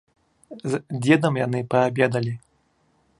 З дзедам яны паабедалі.